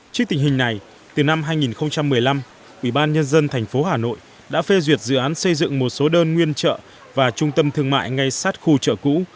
trước tình hình này từ năm hai nghìn một mươi năm ủy ban nhân dân thành phố hà nội đã phê duyệt dự án xây dựng một số đơn nguyên chợ và trung tâm thương mại ngay sát khu chợ cũ